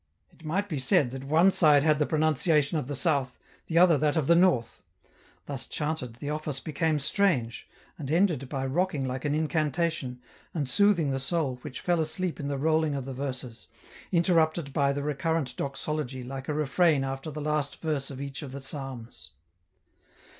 It might be said that one side had the pronunciation of the South, the other that of the North ; thus chanted, the office became strange, and ended by rocking like an incantation, and soothing the soul which fell asleep in the rolling of the verses, interrupted by the recurrent doxology like a refrain after the last verse of each of the psalms.